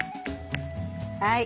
はい。